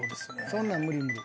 そんなん無理無理。